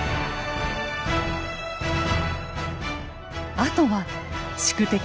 あとは宿敵